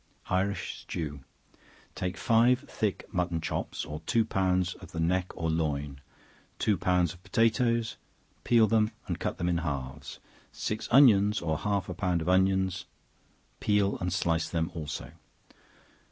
Irish Stew. Take five thick mutton chops, or two pounds of the neck or loin, two pounds of potatoes, peel them and cut them in halves, six onions or half a pound of onions, peel and slice them also.